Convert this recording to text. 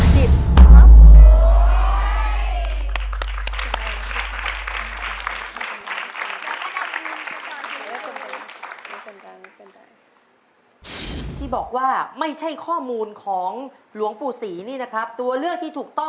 ถูกข้อนี้ก็หนึ่งแสนบาท